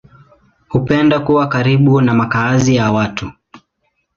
Hupenda kuwa karibu na makazi ya watu.